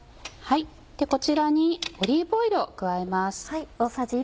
こちらにオリーブオイルを加えます。